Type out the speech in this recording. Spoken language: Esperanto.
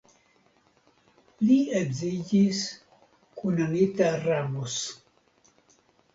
Li edziĝis kun Anita Ramos.